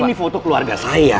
ini foto keluarga saya